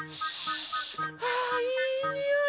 あいいにおい。